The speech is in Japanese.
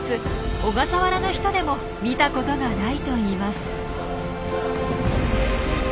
小笠原の人でも見たことがないといいます。